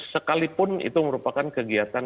sekalipun itu merupakan kegiatan